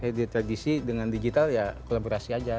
jadi tradisi dengan digital ya kolaborasi aja